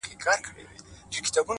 نور خپلي ويني ته شعرونه ليكو ـ